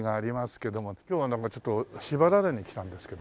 今日はなんかちょっとしばられに来たんですけども。